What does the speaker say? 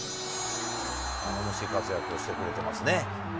頼もしい活躍をしてくれてますね。